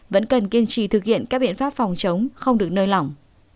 vẫn cần kiên trì thực hiện các biện pháp phòng chống không được nơi lỏng